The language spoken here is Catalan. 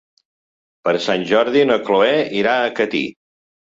Per Sant Jordi na Cloè irà a Catí.